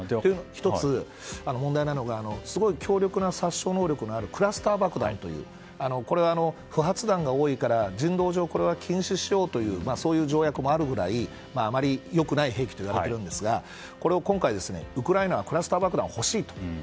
１つ問題なのがすごい強力な殺傷能力があるクラスター爆弾というこれは不発弾が多いから人道上、禁止しようというそういう条約もあるぐらいあまり良くない兵器といわれていますがこれを今回、ウクライナがクラスター爆弾を欲しいと。